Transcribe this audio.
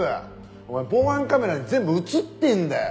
お前防犯カメラに全部映ってんだよ！